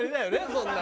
そんなの。